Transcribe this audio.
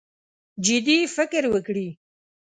جدي فکر وکړي.